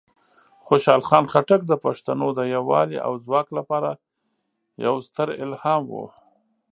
خوشحال خان خټک د پښتنو د یوالی او ځواک لپاره یوه ستره الهام وه.